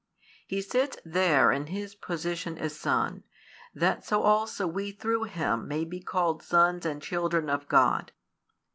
He sits there in His position as Son, that so also we through Him may be called sons and children of God.